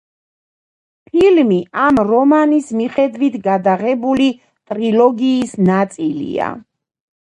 ფილმი ამ რომანის მიხედვით გადაღებული ტრილოგიის ნაწილია.